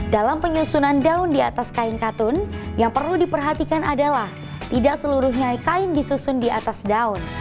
dalam penyusunan daun di atas kain katun yang perlu diperhatikan adalah tidak seluruhnya kain disusun di atas daun